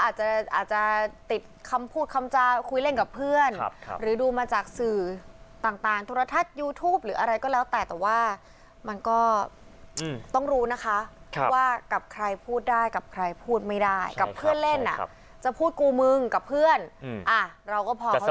อาจจะติดคำพูดคำจาคุยเล่นกับเพื่อนหรือดูมาจากสื่อต่างโทรทัศน์ยูทูปหรืออะไรก็แล้วแต่แต่ว่ามันก็ต้องรู้นะคะว่ากับใครพูดได้กับใครพูดไม่ได้กับเพื่อนเล่นอ่ะจะพูดกูมึงกับเพื่อนเราก็พอเขารู้